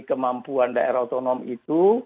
kemampuan daerah otonom itu